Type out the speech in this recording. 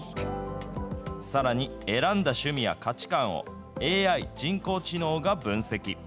さらに選んだ趣味や価値観を、ＡＩ・人工知能が分析。